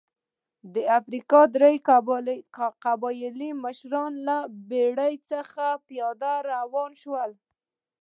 د افریقا درې قبایلي مشران له بېړۍ څخه پیاده شول.